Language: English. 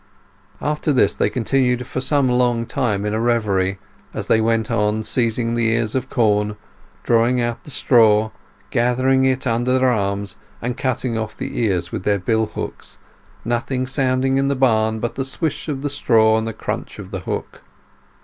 After this they continued for some long time in a reverie, as they went on seizing the ears of corn, drawing out the straw, gathering it under their arms, and cutting off the ears with their bill hooks, nothing sounding in the barn but the swish of the straw and the crunch of the hook.